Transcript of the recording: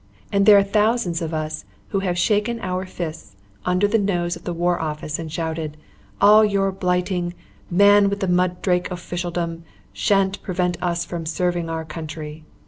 And there are thousands of us who have shaken our fists under the nose of the War Office and shouted, "All your blighting, Man with the Mudrake officialdom shan't prevent us from serving our country."